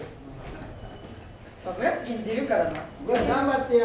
頑張ってや。